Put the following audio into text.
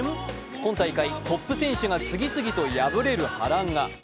今大会、トップ選手が次々と敗れる波乱が。